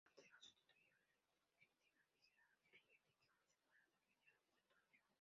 Ortega sustituyó al argentino Miguel Angel Lemme, que fue separado a mediados del torneo.